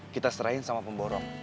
kita serahin sama pemborok